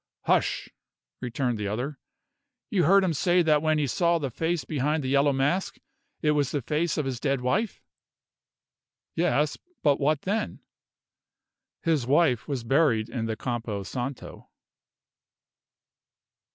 "Hush!" returned the other. "You heard him say that when he saw the face behind the yellow mask, it was the face of his dead wife?" "Yes. But what then?" "His wife was buried in the Campo Santo."